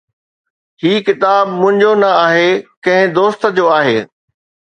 هي ڪتاب منهنجو نه آهي، ڪنهن دوست جو آهي